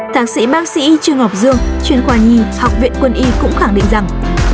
thạc sĩ bác sĩ trương ngọc dương chuyên khoa nhi học viện quân y cũng khẳng định rằng